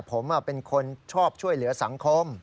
ผมเป็นคนชอบช่วยเหลือสังคม